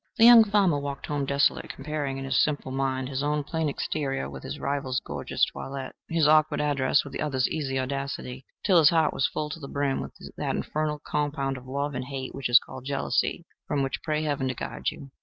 The young farmer walked home desolate, comparing in his simple mind his own plain exterior with his rival's gorgeous toilet, his awkward address with the other's easy audacity, till his heart was full to the brim with that infernal compound of love and hate which is called jealousy, from which pray Heaven to guard you.